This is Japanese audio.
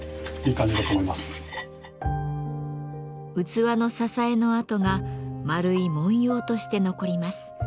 器の支えのあとが丸い文様として残ります。